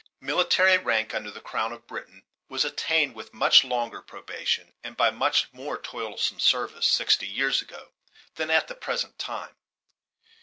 Military rank under the crown of Great Britain was attained with much longer probation, and by much more toilsome services, sixty years ago than at the present time.